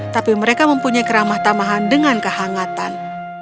tapi mereka mempunyai keramah tamahan dengan kehangatan